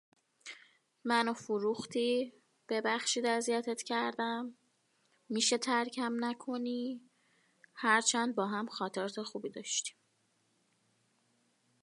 بلوز نظامی